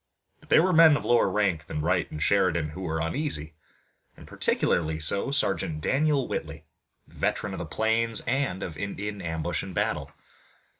But there were men of lower rank than Wright and Sheridan who were uneasy, and particularly so Sergeant Daniel Whitley, veteran of the plains, and of Indian ambush and battle.